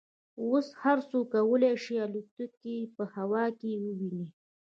اوس هر څوک کولای شي الوتکې په هوا کې وویني